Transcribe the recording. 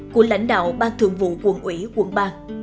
của lãnh đạo bang thượng vụ quận ủy quận ba